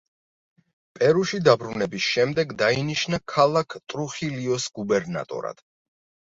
პერუში დაბრუნების შემდეგ დაინიშნა ქალაქ ტრუხილიოს გუბერნატორად.